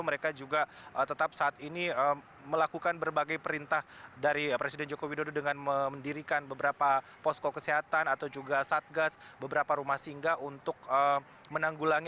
mereka juga tetap saat ini melakukan berbagai perintah dari presiden joko widodo dengan mendirikan beberapa posko kesehatan atau juga satgas beberapa rumah singga untuk menanggulangi